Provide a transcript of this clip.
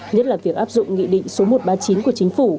nhất là việc áp dụng nghị định số một trăm ba mươi chín của chính phủ